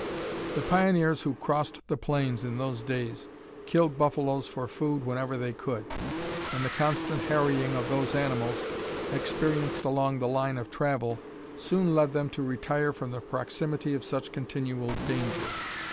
The pioneers who "crossed the plains" in those days killed buffaloes for food whenever they could, and the constant harrying of those animals experienced along the line of travel, soon led them to retire from the proximity of such continual danger.